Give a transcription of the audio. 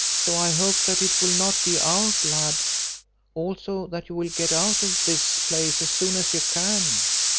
So I hope that it will not be our blood; also that you will get out of this place as soon as you can."